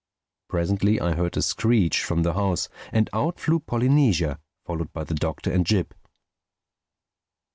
Presently I heard a screech from the house, and out flew Polynesia, followed by the Doctor and Jip.